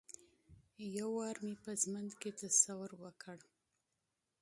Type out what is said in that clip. یو وار مې په ژوند کې تصور وکړ.